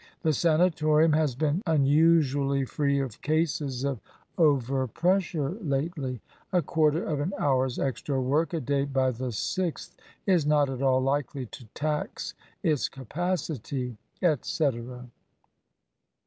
The Sanatorium has been unusually free of cases of over pressure lately. A quarter of an hour's extra work a day by the Sixth is not at all likely to tax its capacity," etcetera.